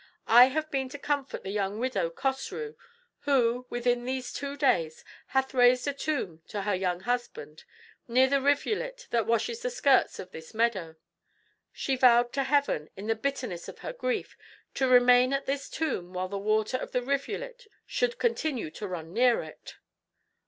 I have been to comfort the young widow Cosrou, who, within these two days, hath raised a tomb to her young husband, near the rivulet that washes the skirts of this meadow. She vowed to heaven, in the bitterness of her grief, to remain at this tomb while the water of the rivulet should continue to run near it."